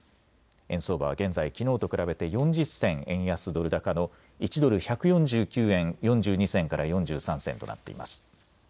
円相場は現在きのうと比べて４０銭円安ドル高の１ドル１４９円４２銭から４３銭となっています。